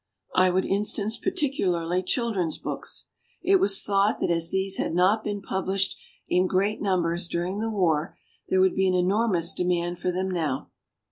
I would instance particularly children's books. It was thought that as these had not been published in great numbers during the war there would be an enormous de mand for them now.